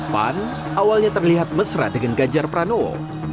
pan awalnya terlihat mesra dengan ganjar pranowo